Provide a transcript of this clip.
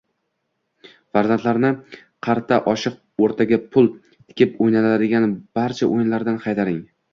Farzandlarni qarta, oshiq, o‘rtaga pul tikib o‘ylanadigan barcha o‘yinlardan qaytaring.